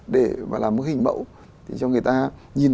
để mà làm một hình mẫu